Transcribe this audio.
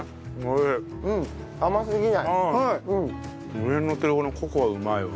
上にのってるこのココアうまいわ。